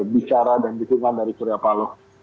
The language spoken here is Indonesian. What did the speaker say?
bicara dan ditunggu dari surya palo